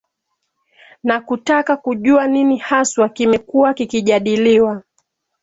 na kutaka kujua nini haswa kimekuwa kikijadiliwa